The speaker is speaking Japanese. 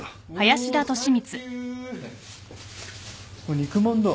肉まんだ。